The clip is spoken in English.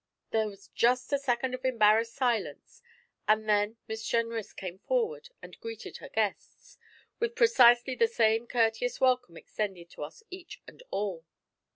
There was just a second of embarrassed silence, and then Miss Jenrys came forward and greeted her guests, with precisely the same courteous welcome extended to us each and all.